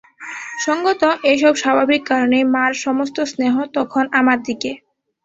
সঙ্গত এবং স্বাভাবিক কারণেই মার সমস্ত স্নেহ তখন আমার দিকে।